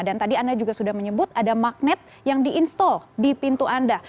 dan tadi anda juga sudah menyebut ada magnet yang di install di pintu anda